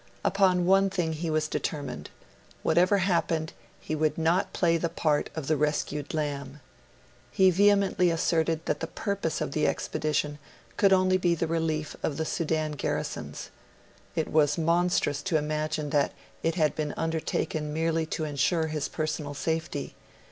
Upon one thing he was determined: whatever happened, he would not play the part of 'the rescued lamb'. He vehemently asserted that the purpose of the expedition could only be the relief of the Sudan garrisons; it was monstrous to imagine that it had been undertaken merely to ensure his personal safety.